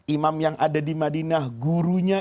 imam yang ada di madinah gurunya